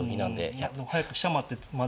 いやでも早く飛車回ってまあ